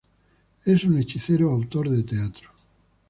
Es un hechicero autor de teatro.